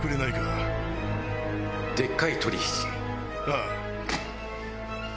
ああ。